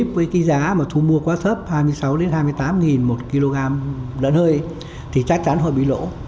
với cái giá mà thu mua quá thấp hai mươi sáu hai mươi tám một kg lợn hơi thì chắc chắn họ bị lỗ